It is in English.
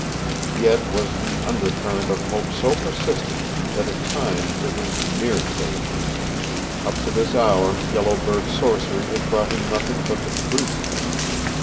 Yet was the under current of hope so persistent that at times it was near faith. Up to this hour Yellow Bird's sorcery had brought him nothing but the truth.